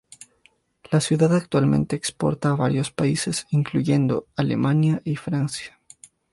La ciudad actualmente exporta a varios países, incluyendo Alemania y Francia.